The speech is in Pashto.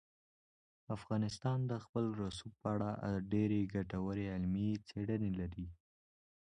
افغانستان د خپل رسوب په اړه ډېرې ګټورې علمي څېړنې لري.